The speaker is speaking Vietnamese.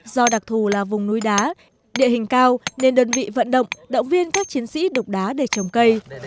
do đặc thù là vùng núi đá địa hình cao nên đơn vị vận động động viên các chiến sĩ đục đá để trồng cây